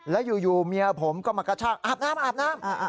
แล้วอยู่เมียผมก็มากระชากอาบน้ำอาบน้ำ